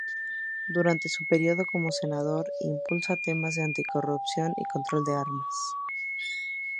Durante su periodo como senador impulsa temas de anticorrupción y control de armas.